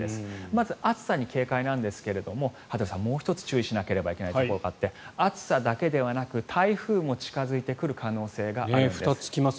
まず暑さに警戒ですが羽鳥さん、もう１つ注意しないといけないところがあって暑さだけでなく台風も近付いてくる可能性があるんです。